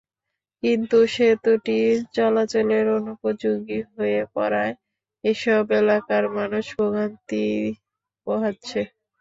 কিন্তু সেতুটি চলাচলের অনুপযোগী হয়ে পড়ায় এসব এলাকার মানুষ ভোগান্তি পোহাচ্ছে।